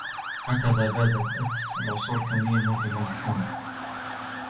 هكذا بدأت العصور الكونية المظلمة للكون